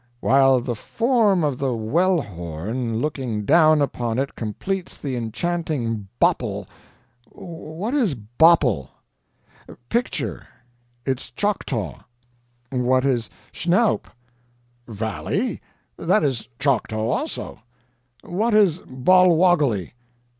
"'While the form of the Wellhorn looking down upon it completes the enchanting BOPPLE.' What is 'BOPPLE'?" "'Picture.' It's Choctaw." "What is 'SCHNAWP'?" "'Valley.' That is Choctaw, also." "What is 'BOLWOGGOLY'?"